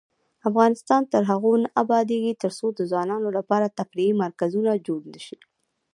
افغانستان تر هغو نه ابادیږي، ترڅو د ځوانانو لپاره تفریحي مرکزونه جوړ نشي.